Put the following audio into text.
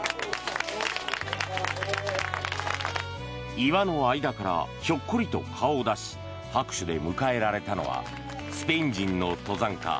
岩の間からひょっこりと顔を出し拍手で迎えられたのはスペイン人の登山家